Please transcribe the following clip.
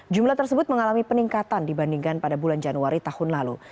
jumlah tersebut mengalami peningkatan dibandingkan pada bulan januari tahun lalu